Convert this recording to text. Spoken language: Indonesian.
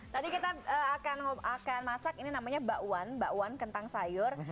tadi kita akan masak ini namanya bakwan bakwan kentang sayur